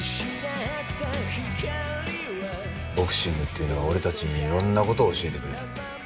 ボクシングっていうのは俺たちにいろんな事を教えてくれる。